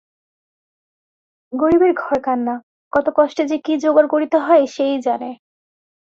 গরিবের ঘরকন্না, কত কষ্টে যে কি জোগাড় করিতে হয় সে-ই জানে।